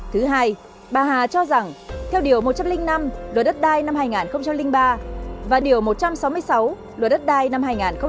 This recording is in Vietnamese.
thứ hai bà hà cho rằng theo điều một trăm linh năm luật đất đai năm hai nghìn ba và điều một trăm sáu mươi sáu luật đất đai năm hai nghìn một mươi